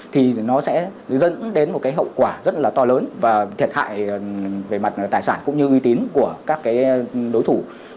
thì nó sẽ dẫn đến một hậu quả rất to lớn và thiệt hại về mặt tài sản cũng như uy tín của các đối thủ